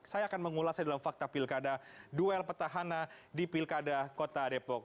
saya akan mengulasnya dalam fakta pilkada duel petahana di pilkada kota depok